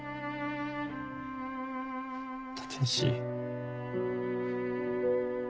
立石。